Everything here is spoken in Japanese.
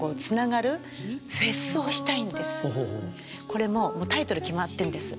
これもうタイトル決まってるんです。